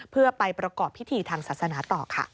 เพื่อไปประกอบพิธีทางศาสนาต่อค่ะ